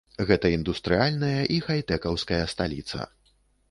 Гэта індустрыяльная і хайтэкаўская сталіца.